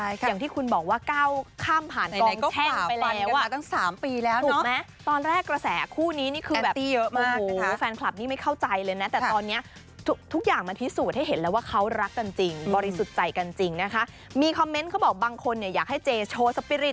อย่างที่คุณบอกว่าเก้าข้ามผ่านกองแท่งไปแล้ว